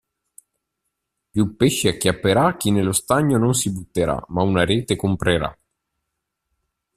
Più pesci acchiapperà chi nello stagno non si butterà ma una rete comprerà.